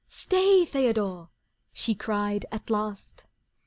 "Stay, Theodore!" she cried at last.